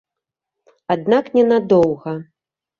Аднак не на доўга.